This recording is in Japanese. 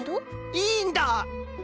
いいんだ！？